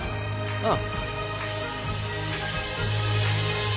ああ